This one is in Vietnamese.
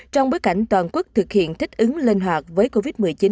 trong bối cảnh toàn quốc thực hiện thích ứng linh hoạt với covid một mươi chín